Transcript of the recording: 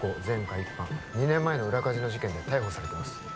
前科一犯２年前の裏カジノ事件で逮捕されてます